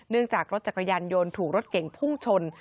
จากรถจักรยานยนต์ถูกรถเก่งพุ่งชน